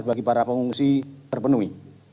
bagi para pengumumusi terpenuhi